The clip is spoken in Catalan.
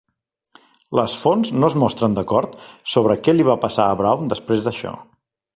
Les fonts no es mostren d'acord sobre què li va passar a Brown després d'això.